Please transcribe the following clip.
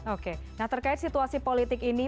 oke nah terkait situasi politik ini